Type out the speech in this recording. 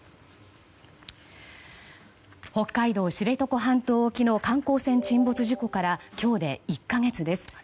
北海道知床半島沖の観光船沈没事故から今日で１か月です。